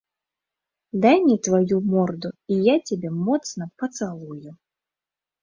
Дай мне тваю морду, і я цябе моцна пацалую.